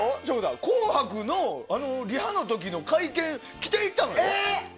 「紅白」のリハの時の会見着ていったのよ。